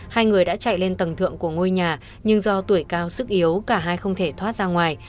hai người đã chạy lên tầng thượng của ngôi nhà nhưng do tuổi cao sức yếu cả hai không thể thoát ra ngoài